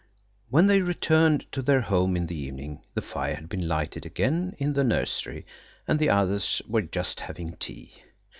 When they returned to their home in the evening the fire had been lighted again in the nursery, and the others were just having tea.